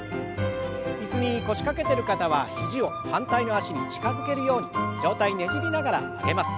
椅子に腰掛けてる方は肘を反対の脚に近づけるように上体ねじりながら曲げます。